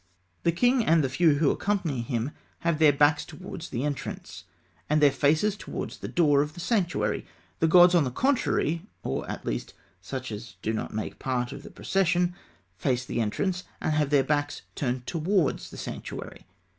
The king, and the few who accompany him, have their backs towards the entrance and their faces towards the door of the sanctuary. The gods, on the contrary, or at least such as do not make part of the procession, face the entrance, and have their backs turned towards the sanctuary.